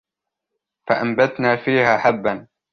فَأَنبَتْنَا فِيهَا حَبًّا